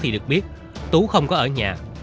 được biết tú không có ở nhà